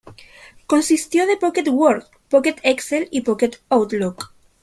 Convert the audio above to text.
Consistió de Pocket Word, Pocket Excel y Pocket Outlook.